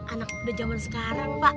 anak udah zaman sekarang pak